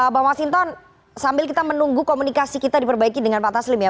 bang masinton sambil kita menunggu komunikasi kita diperbaiki dengan pak taslim ya